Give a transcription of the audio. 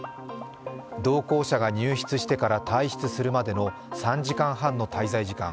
同行者が入室してから退室するまでの３時間半の滞在時間。